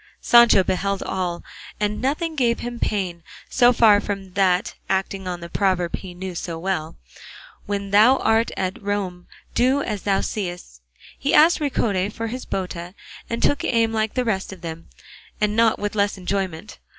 Sancho beheld all, "and nothing gave him pain;" so far from that, acting on the proverb he knew so well, "when thou art at Rome do as thou seest," he asked Ricote for his bota and took aim like the rest of them, and with not less enjoyment.